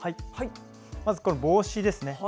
まず帽子ですね。